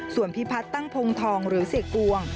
ส่วนพิพัฒน์ตั้งพงทองหรือเสียกวง